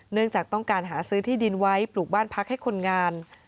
เนื่องจากต้องการหาซื้อที่ดินไว้ปลูกบ้านพักให้คนงาน